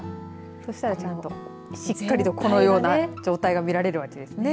そしたらちゃんとしっかりとこのような状態が見られるわけですね。